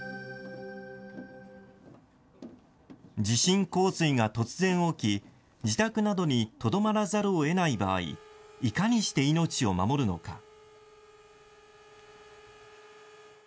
地震洪水が突然起き、自宅などにとどまらざるをえない場合、いかにして命を守るのか。